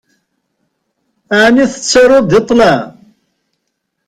Ɛni tettaruḍ deg ṭṭlam?